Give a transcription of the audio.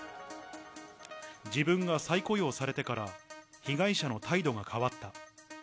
自分が再雇用されてから、被害者の態度が変わった。